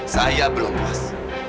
saya belum puas